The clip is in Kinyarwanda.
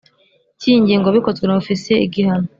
cy iyi ngingo bikozwe na Ofisiye igihano